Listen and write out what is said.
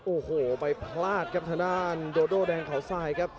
โอ้โหไม่พลาดกับธนาคมโดโด้แดงเขาสร้างแบบนี้